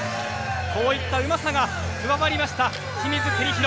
こういったうまさが加わりました清水邦広。